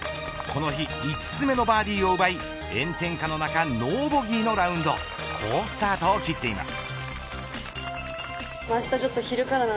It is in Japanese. この日５つ目のバーディーを奪い炎天下の中ノーボギーのラウンド好スタートを切っています。